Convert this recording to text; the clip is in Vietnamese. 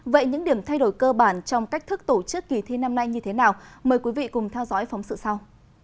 vậy những điểm thay đổi cơ bản trong cách thức tổ chức kỳ thi năm nay như thế nào mời quý vị cùng theo dõi phóng sự sau